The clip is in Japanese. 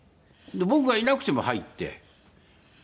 僕がいなくても入って。